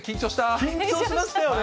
緊張しましたよね。